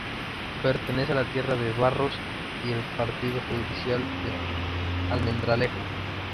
Pertenece a la de Tierra de Barros y al Partido judicial de Almendralejo.